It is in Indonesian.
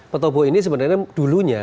petobo ini sebenarnya dulunya